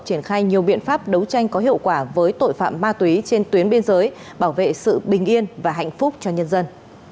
triển khai nhiều biện pháp đấu tranh có hiệu quả với tội phạm ma túy trên tuyến biên giới bảo vệ sự bình yên và hạnh phúc cho nhân dân